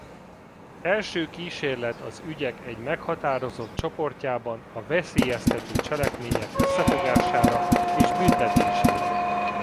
Első kísérlet az ügyek egy meghatározott csoportjában a veszélyeztető cselekmények összefogására és büntetésére.